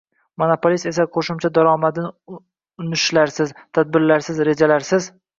Monopolist esa qo‘shimcha daromadini urinishlarsiz, tadbirlarsiz, rejalarsiz